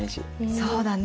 そうだね。